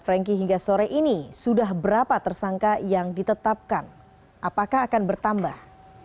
franky hingga sore ini sudah berapa tersangka yang ditetapkan apakah akan bertambah